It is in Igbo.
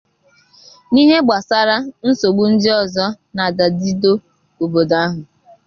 N'ihe gbasaara nsogbu ndị ọzọ na-adadìdo obodo ahụ